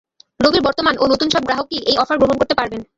রবির বর্তমান ও নতুন সব গ্রাহকই এই অফার গ্রহণ করতে পারবেন।